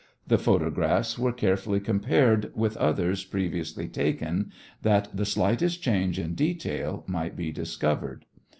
The photographs were carefully compared with others previously taken, that the slightest change in detail might be discovered.